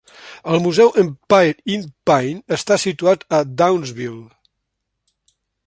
El Museu Empire in Pine està situat a Downsville.